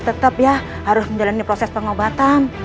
tetap ya harus menjalani proses pengobatan